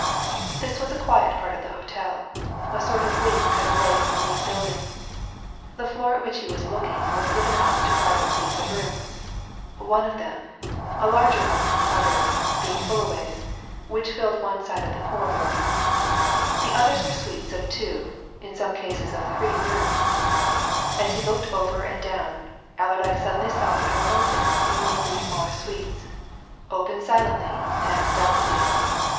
This was a quiet part of the hotel, a sort of wing cut away from the main building; the floor at which he was looking was given up to private suites of rooms, one of them, a larger one than the others, being Fullaway's, which filled one side of the corridor; the others were suites of two, in some cases of three rooms. As he looked over and down, Allerdyke suddenly saw a door open in one of these smaller suites open silently and stealthily.